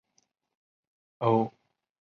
欧鲢是鲤科的一种淡水鱼。